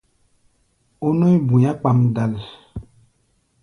Ó nɔ̧́í̧ bu̧i̧á̧ kpamdal.